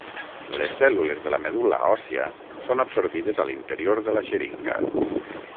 Les cèl·lules de la medul·la òssia són absorbides a l'interior de la xeringa.